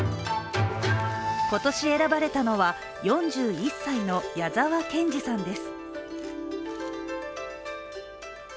今年選ばれたのは、４１歳の矢澤謙二さんです。